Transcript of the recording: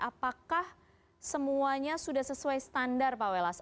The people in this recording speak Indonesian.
apakah semuanya sudah sesuai standar pak welas